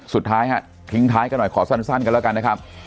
สุดท้ายฮะทิ้งท้ายกันหน่อยขอสั้นกันแล้วกันนะครับ